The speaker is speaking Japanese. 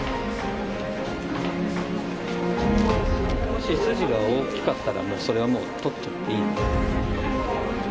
もし筋が大きかったらそれはもう取っちゃっていい。